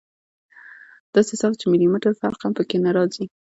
داسې صاف چې ملي مټر فرق هم پکښې نه رځي.